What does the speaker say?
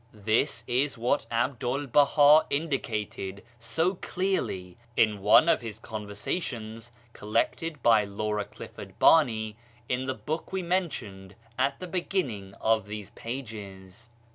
This is what 'Abdu'1 Baha indicated so clearly in one of his conversa tions collected by Laura Clifford Barney 144 BAHAISM in the book we mentioned at the beginning of these pages.